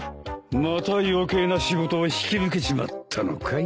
また余計な仕事を引き受けちまったのかい？